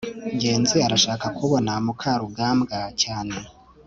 ngenzi arashaka kubona mukarugambwa cyane